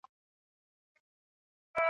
کور په کور کلي په کلي بوري وراري دي چي ګرزي